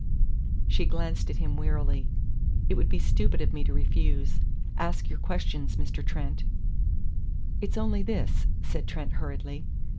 She glanced at him wearily. "It would be stupid of me to refuse. Ask your questions, Mr. Trent." "It's only this," said Trent hurriedly.